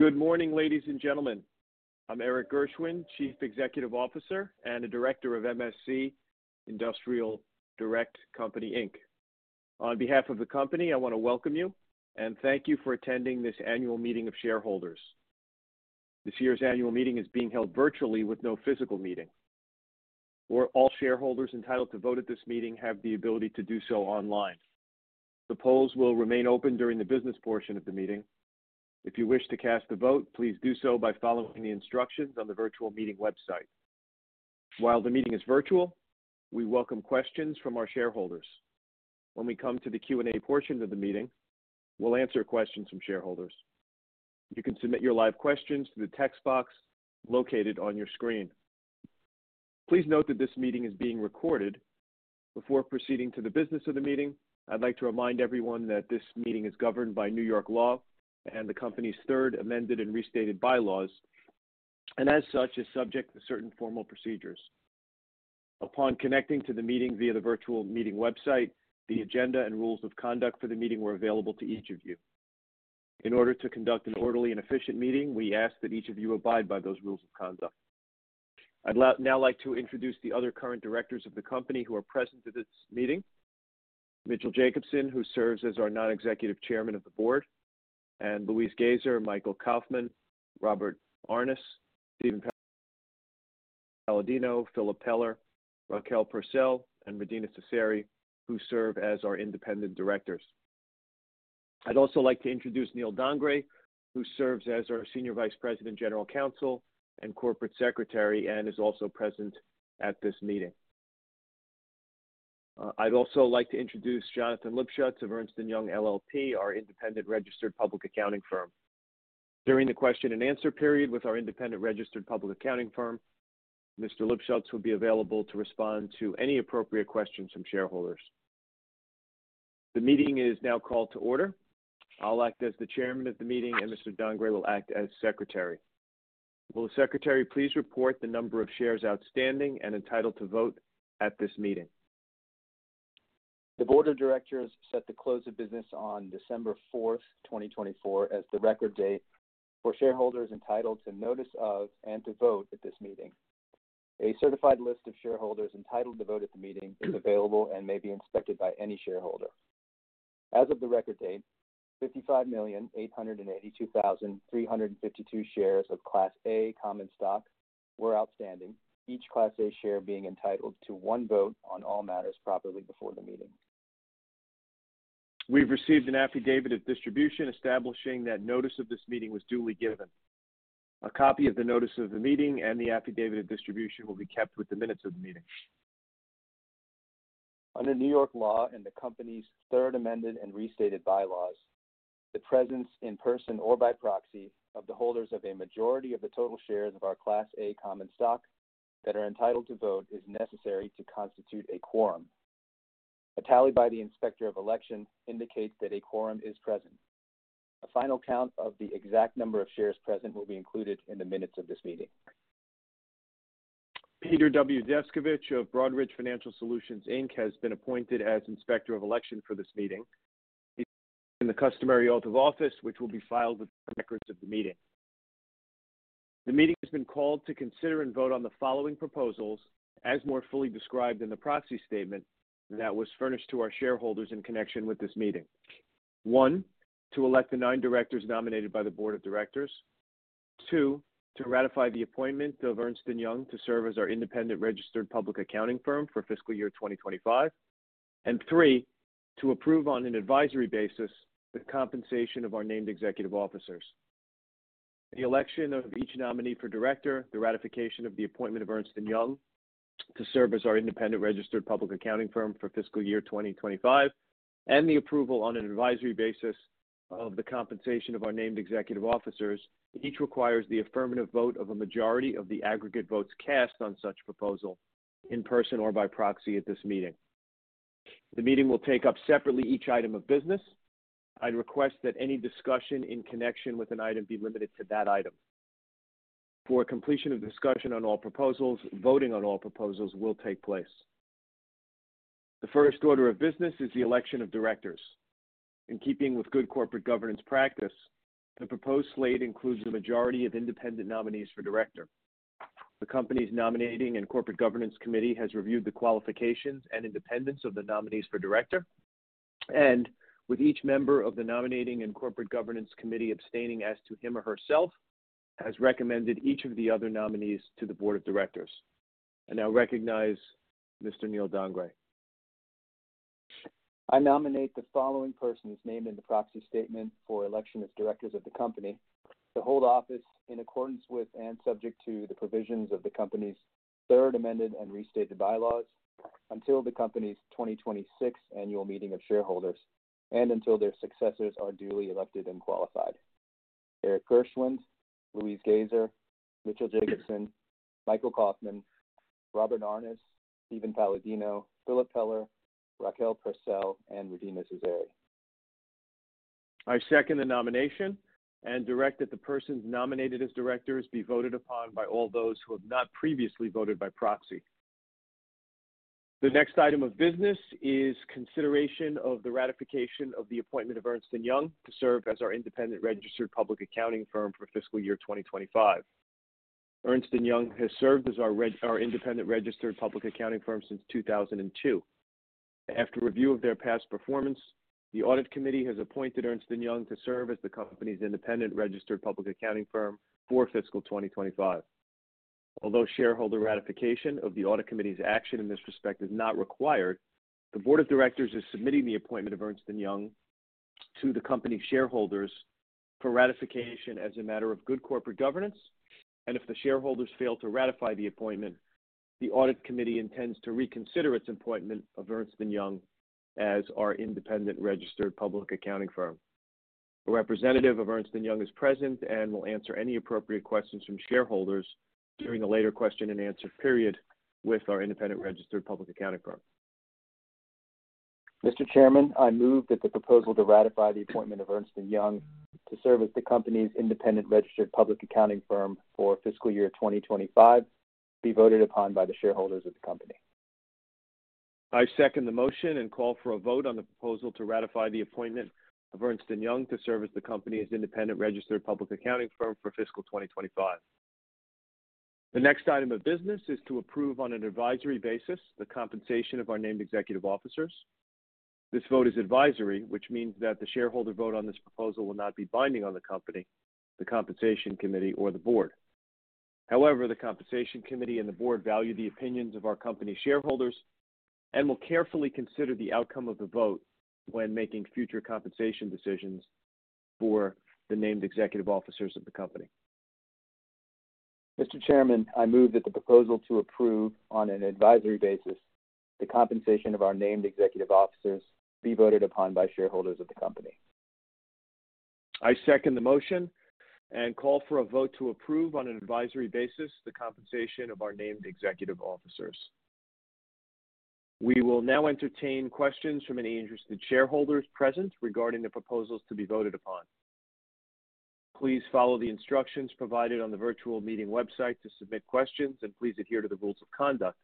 Good morning, ladies and gentlemen. I'm Erik Gershwind, Chief Executive Officer and Director of MSC Industrial Direct Co., Inc. On behalf of the company, I want to welcome you and thank you for attending this annual meeting of shareholders. This year's annual meeting is being held virtually with no physical meeting. All shareholders entitled to vote at this meeting have the ability to do so online. The polls will remain open during the business portion of the meeting. If you wish to cast a vote, please do so by following the instructions on the virtual meeting website. While the meeting is virtual, we welcome questions from our shareholders. When we come to the Q&A portion of the meeting, we'll answer questions from shareholders. You can submit your live questions to the text box located on your screen. Please note that this meeting is being recorded. Before proceeding to the business of the meeting, I'd like to remind everyone that this meeting is governed by New York law and the company's third amended and restated bylaws, and as such, is subject to certain formal procedures. Upon connecting to the meeting via the virtual meeting website, the agenda and rules of conduct for the meeting were available to each of you. In order to conduct an orderly and efficient meeting, we ask that each of you abide by those rules of conduct. I'd now like to introduce the other current directors of the company who are present at this meeting: Mitchell Jacobson, who serves as our non-executive Chairman of the Board, and Louise Goeser, Michael Kaufmann, Robert Aarnes, Steven Paladino, Philip Peller, Raquel Purcell, and Rudina Seseri, who serve as our independent directors. I'd also like to introduce Neal Dongre, who serves as our Senior Vice President, General Counsel, and Corporate Secretary, and is also present at this meeting. I'd also like to introduce Jonathan Lipschutz of Ernst & Young LLP, our independent registered public accounting firm. During the question and answer period with our independent registered public accounting firm, Mr. Lipschutz will be available to respond to any appropriate questions from shareholders. The meeting is now called to order. I'll act as the chairman of the meeting, and Mr. Dongre will act as secretary. Will the secretary please report the number of shares outstanding and entitled to vote at this meeting? The board of directors set the close of business on December 4th, 2024, as the record date for shareholders entitled to notice of and to vote at this meeting. A certified list of shareholders entitled to vote at the meeting is available and may be inspected by any shareholder. As of the record date, 55,882,352 shares of Class A common stock were outstanding, each Class A share being entitled to one vote on all matters properly before the meeting. We've received an affidavit of distribution establishing that notice of this meeting was duly given. A copy of the notice of the meeting and the affidavit of distribution will be kept with the minutes of the meeting. Under New York law and the company's third amended and restated bylaws, the presence in person or by proxy of the holders of a majority of the total shares of our Class A common stock that are entitled to vote is necessary to constitute a quorum. A tally by the inspector of election indicates that a quorum is present. A final count of the exact number of shares present will be included in the minutes of this meeting. Peter W. Descovich of Broadridge Financial Solutions, Inc. has been appointed as inspector of election for this meeting. He has taken the customary oath of office, which will be filed with the records of the meeting. The meeting has been called to consider and vote on the following proposals, as more fully described in the proxy statement that was furnished to our shareholders in connection with this meeting: one, to elect the nine directors nominated by the board of directors, two, to ratify the appointment of Ernst & Young to serve as our independent registered public accounting firm for fiscal year 2025, and three, to approve on an advisory basis the compensation of our named executive officers. The election of each nominee for director, the ratification of the appointment of Ernst & Young to serve as our independent registered public accounting firm for fiscal year 2025, and the approval on an advisory basis of the compensation of our named executive officers, each requires the affirmative vote of a majority of the aggregate votes cast on such proposal in person or by proxy at this meeting. The meeting will take up separately each item of business. I'd request that any discussion in connection with an item be limited to that item. For completion of discussion on all proposals, voting on all proposals will take place. The first order of business is the election of directors. In keeping with good corporate governance practice, the proposed slate includes the majority of independent nominees for director. The company's nominating and corporate governance committee has reviewed the qualifications and independence of the nominees for director, and with each member of the nominating and corporate governance committee abstaining as to him or herself, has recommended each of the other nominees to the board of directors. And I recognize Mr. Neal Dongre. I nominate the following persons named in the proxy statement for election as directors of the company to hold office in accordance with and subject to the provisions of the company's third amended and restated bylaws until the company's 2026 annual meeting of shareholders and until their successors are duly elected and qualified: Erik Gershwind, Louise Goeser, Mitchell Jacobson, Michael Kaufmann, Robert Aarnes, Steven Paladino, Philip Peller, Raquel Purcell, and Rudina Seseri. I second the nomination and direct that the persons nominated as directors be voted upon by all those who have not previously voted by proxy. The next item of business is consideration of the ratification of the appointment of Ernst & Young to serve as our independent registered public accounting firm for fiscal year 2025. Ernst & Young has served as our independent registered public accounting firm since 2002. After review of their past performance, the audit committee has appointed Ernst & Young to serve as the company's independent registered public accounting firm for fiscal 2025. Although shareholder ratification of the audit committee's action in this respect is not required, the board of directors is submitting the appointment of Ernst & Young to the company shareholders for ratification as a matter of good corporate governance, and if the shareholders fail to ratify the appointment, the audit committee intends to reconsider its appointment of Ernst & Young as our independent registered public accounting firm. A representative of Ernst & Young is present and will answer any appropriate questions from shareholders during the latter question and answer period with our independent registered public accounting firm. Mr. Chairman, I move that the proposal to ratify the appointment of Ernst & Young to serve as the company's independent registered public accounting firm for fiscal year 2025 be voted upon by the shareholders of the company. I second the motion and call for a vote on the proposal to ratify the appointment of Ernst & Young to serve as the company's independent registered public accounting firm for fiscal 2025. The next item of business is to approve on an advisory basis the compensation of our named executive officers. This vote is advisory, which means that the shareholder vote on this proposal will not be binding on the company, the compensation committee, or the board. However, the compensation committee and the board value the opinions of our company shareholders and will carefully consider the outcome of the vote when making future compensation decisions for the named executive officers of the company. Mr. Chairman, I move that the proposal to approve on an advisory basis the compensation of our named executive officers be voted upon by shareholders of the company. I second the motion and call for a vote to approve on an advisory basis the compensation of our named executive officers. We will now entertain questions from any interested shareholders present regarding the proposals to be voted upon. Please follow the instructions provided on the virtual meeting website to submit questions, and please adhere to the rules of conduct.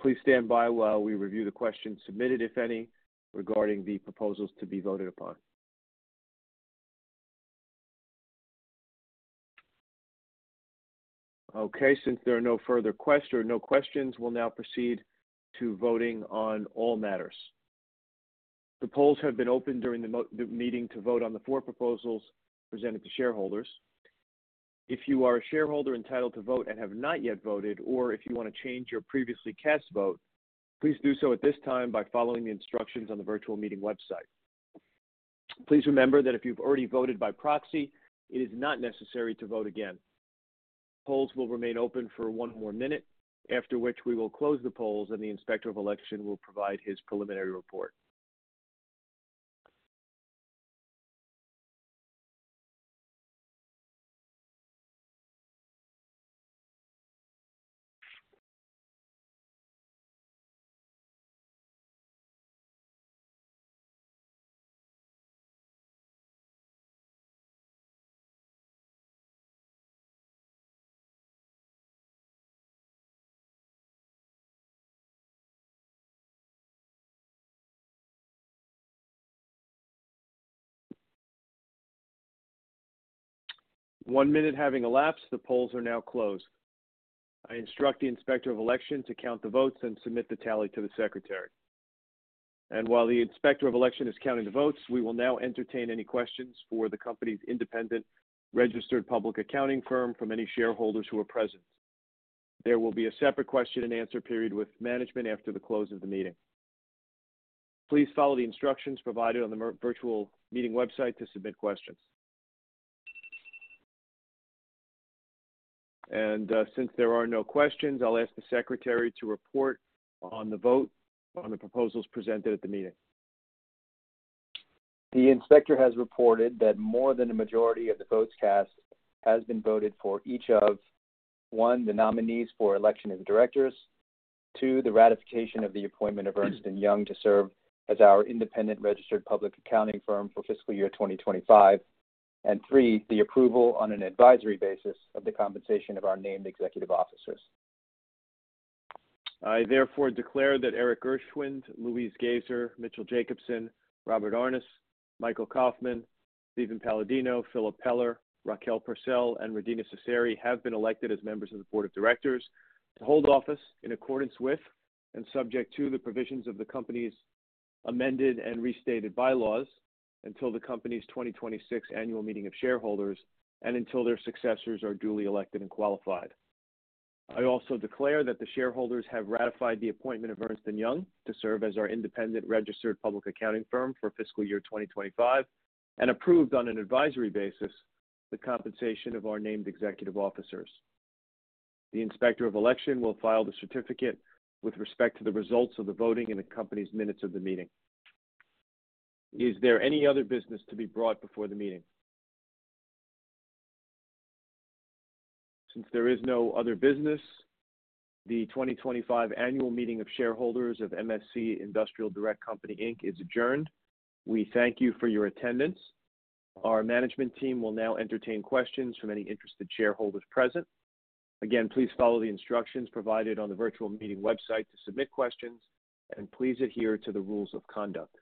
Please stand by while we review the questions submitted, if any, regarding the proposals to be voted upon. Okay. Since there are no further questions, we'll now proceed to voting on all matters. The polls have been opened during the meeting to vote on the four proposals presented to shareholders. If you are a shareholder entitled to vote and have not yet voted, or if you want to change your previously cast vote, please do so at this time by following the instructions on the virtual meeting website. Please remember that if you've already voted by proxy, it is not necessary to vote again. Polls will remain open for one more minute, after which we will close the polls, and the inspector of election will provide his preliminary report. One minute having elapsed, the polls are now closed. I instruct the inspector of election to count the votes and submit the tally to the secretary. And while the inspector of election is counting the votes, we will now entertain any questions for the company's independent registered public accounting firm from any shareholders who are present. There will be a separate question and answer period with management after the close of the meeting. Please follow the instructions provided on the virtual meeting website to submit questions. And since there are no questions, I'll ask the secretary to report on the vote on the proposals presented at the meeting. The inspector has reported that more than a majority of the votes cast has been voted for each of: one, the nominees for election as directors, two, the ratification of the appointment of Ernst & Young to serve as our independent registered public accounting firm for fiscal year 2025, and three, the approval on an advisory basis of the compensation of our named executive officers. I therefore declare that Erik Gershwind, Louise Goeser, Mitchell Jacobson, Robert Aarnes, Michael Kaufmann, Steven Paladino, Philip Peller, Raquel Purcell, and Rudina Seseri have been elected as members of the board of directors to hold office in accordance with and subject to the provisions of the company's amended and restated bylaws until the company's 2026 annual meeting of shareholders and until their successors are duly elected and qualified. I also declare that the shareholders have ratified the appointment of Ernst & Young to serve as our independent registered public accounting firm for fiscal year 2025 and approved on an advisory basis the compensation of our named executive officers. The inspector of election will file the certificate with respect to the results of the voting in the company's minutes of the meeting. Is there any other business to be brought before the meeting? Since there is no other business, the 2025 annual meeting of shareholders of MSC Industrial Direct Co., Inc. is adjourned. We thank you for your attendance. Our management team will now entertain questions from any interested shareholders present. Again, please follow the instructions provided on the virtual meeting website to submit questions, and please adhere to the rules of conduct.